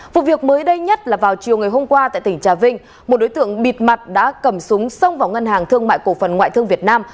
vụ việc mới đây nhất là vào chiều ngày hôm qua tại tỉnh trà vinh một đối tượng bịt mặt đã cầm súng xông vào ngân hàng thương mại cổ phần ngoại thương việt nam